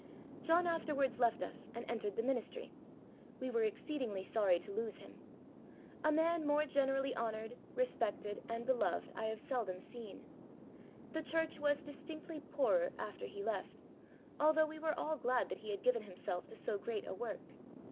John afterwards left us and entered the ministry. We were exceedingly sorry to lose him. A man more generally honoured, respected, and beloved I have seldom seen. The church was distinctly poorer after he left, although we were all glad that he had given himself to so great a work.